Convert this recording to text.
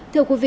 thưa quý vị